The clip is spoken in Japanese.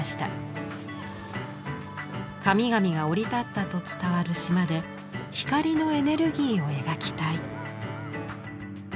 神々が降り立ったと伝わる島で光のエネルギーを描きたい。